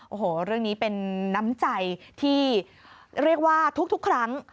โอ้โหเรื่องนี้เป็นน้ำใจที่เรียกว่าทุกครั้ง